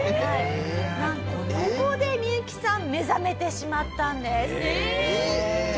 なんとここでミユキさん目覚めてしまったんです。